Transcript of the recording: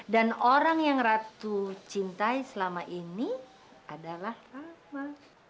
dan orang yang ratu cintai selama ini adalah rama